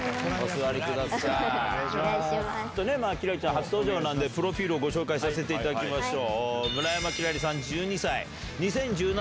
初登場なんでプロフィルをご紹介させていただきましょう。